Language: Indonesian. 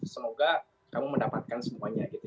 semoga kamu mendapatkan semuanya gitu